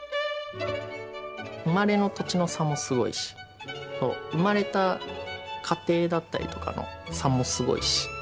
生まれの土地の差もすごいし生まれた家庭だったりとかの差もすごいし。